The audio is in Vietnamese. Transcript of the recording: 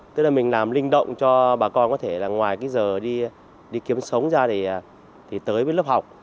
tức là mình làm linh động cho bà con có thể là ngoài cái giờ đi kiếm sống ra thì tới với lớp học